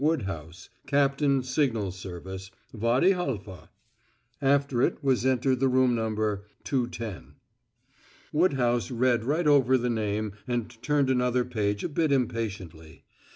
Woodhouse, Capt. Sig. Service; Wady Halfa." After it was entered the room number: "210." Woodhouse read right over the name and turned another page a bit impatiently.